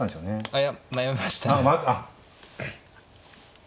はい。